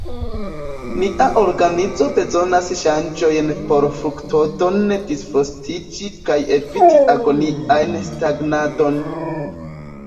Nia organizo bezonas ŝanĝojn por fruktodone disvolviĝi kaj eviti agonian stagnadon.